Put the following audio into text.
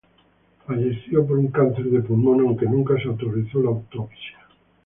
Falleció por un cáncer de pulmón aunque nunca se autorizó la autopsia.